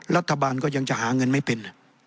รัฐบาลก็ยังจะหาเงินไม่เป็น